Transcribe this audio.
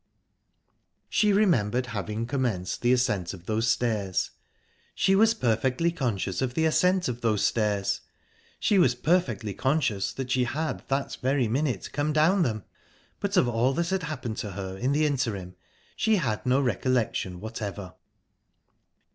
She remembered having commenced the ascent of those stairs, she was perfectly conscious that the ascent of those stairs, she was perfectly conscious that she had that very minute come down them, but of all that had happened to her in the interim she had no recollection whatever.